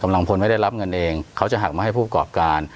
กำลังพลไม่ได้รับเงินเองเขาจะหักมาให้ผู้ประกอบการ